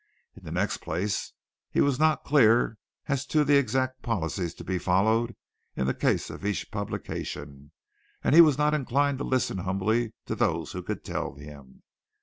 In the next place, he was not clear as to the exact policies to be followed in the case of each publication, and he was not inclined to listen humbly to those who could tell him.